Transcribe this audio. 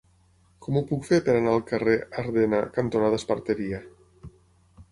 Com ho puc fer per anar al carrer Ardena cantonada Esparteria?